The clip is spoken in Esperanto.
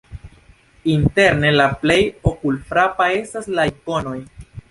Interne la plej okulfrapa estas la ikonoj.